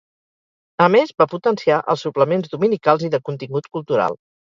A més va potenciar els suplements dominicals i de contingut cultural.